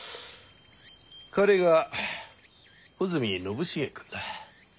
彼が穂積陳重君だ。